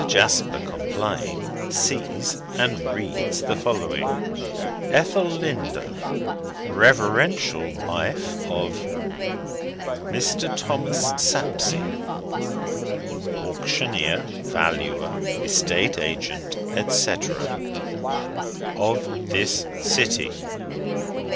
Jasper complying, sees and reads as follows: ETHELINDA, Reverential Wife of MR. THOMAS SAPSEA, AUCTIONEER, VALUER, ESTATE AGENT, &c., OF THIS CITY.